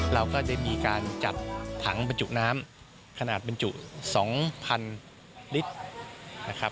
เราก็จะมีการจัดถังบรรจุน้ำขนาดบรรจุ๒๐๐๐ลิตรนะครับ